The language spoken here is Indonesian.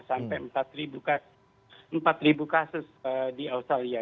sampai empat kasus di australia